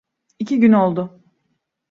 İki gün oldu.